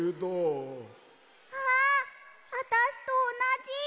あああたしとおなじ。